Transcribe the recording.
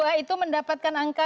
ketika itu mendapatkan angka